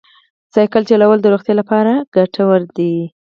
سایکل چلول د روغتیا لپاره ګټور دی.